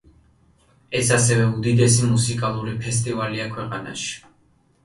ეს ასევე უდიდესი მუსიკალური ფესტივალია ქვეყანაში.